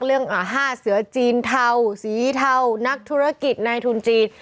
เรื่องหาเสือจีนเทาสีเทานักธุรกิจนายทุนจีน